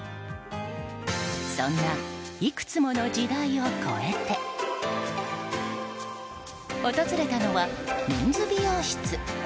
そんないくつもの時代を超えて訪れたのは、メンズ美容室。